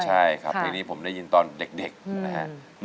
ใช่ครับเพลงนี้ผมได้ยินตอนเด็กนะครับ